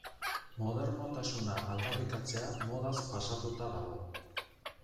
Modernotasuna aldarrikatzea modaz pasatuta dago.